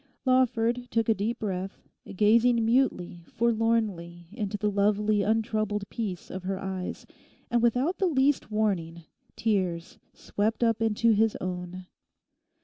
Lawford took a deep breath, gazing mutely, forlornly, into the lovely untroubled peace of her eyes, and without the least warning tears swept up into his own.